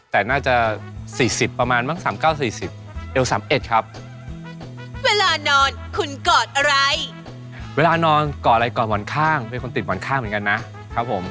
ถ้านอนก่ออะไรก่อหมอนข้างเป็นคนติดหมอนข้างเหมือนกันนะครับผม